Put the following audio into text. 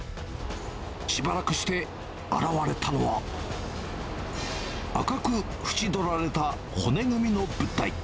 しばらくして、現れたのは、赤く縁どられた骨組みの物体。